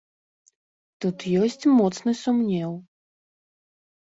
Тут ёсць моцны сумнеў.